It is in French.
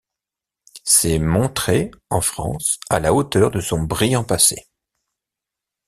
S'est montrée, en France, à la hauteur de son brillant passé.